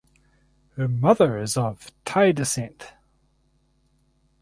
Her mother is of Thai descent.